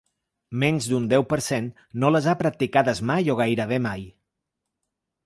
Menys d’un deu per cent no les ha practicades mai o gairebé mai.